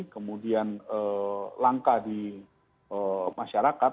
kemudian langka di masyarakat